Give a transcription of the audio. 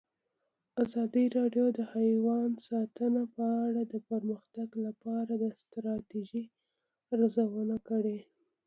ازادي راډیو د حیوان ساتنه په اړه د پرمختګ لپاره د ستراتیژۍ ارزونه کړې.